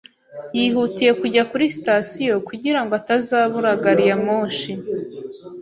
Yihutiye kujya kuri sitasiyo kugira ngo atazabura gari ya moshi.